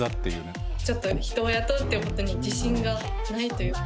ちょっと人を雇うっていうことに自信がないという。